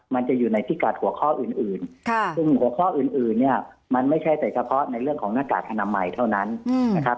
มันจะอยู่ในพิกัดหัวข้ออื่นซึ่งหัวข้ออื่นเนี่ยมันไม่ใช่แต่เฉพาะในเรื่องของหน้ากากอนามัยเท่านั้นนะครับ